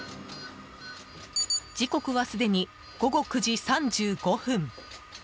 時刻は、すでに午後９時３５分。